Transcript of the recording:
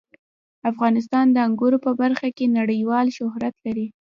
افغانستان د انګورو په برخه کې نړیوال شهرت لري.